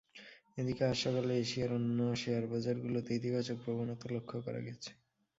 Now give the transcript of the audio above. এদিকে আজ সকালে এশিয়ার অন্য শেয়ারবাজারগুলোতে ইতিবাচক প্রবণতা লক্ষ করা গেছে।